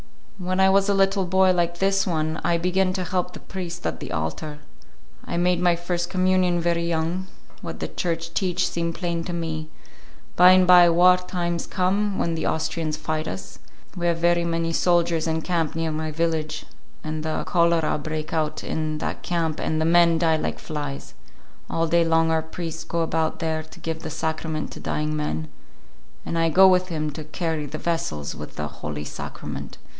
When I was a little boy like this one, I begin to help the priest at the altar. I make my first communion very young; what the Church teach seem plain to me. By 'n' by war times come, when the Austrians fight us. We have very many soldiers in camp near my village, and the cholera break out in that camp, and the men die like flies. All day long our priest go about there to give the Sacrament to dying men, and I go with him to carry the vessels with the Holy Sacrament.